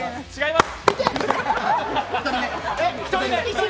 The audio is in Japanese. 違います。